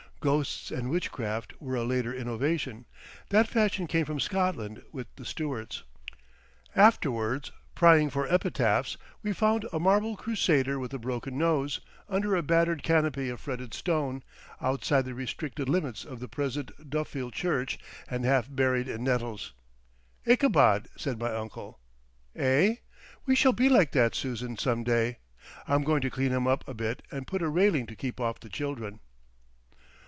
Ghosts and witchcraft were a later innovation—that fashion came from Scotland with the Stuarts. Afterwards, prying for epitaphs, we found a marble crusader with a broken nose, under a battered canopy of fretted stone, outside the restricted limits of the present Duffield church, and half buried in nettles. "Ichabod," said my uncle. "Eh? We shall be like that, Susan, some day.... I'm going to clean him up a bit and put a railing to keep off the children."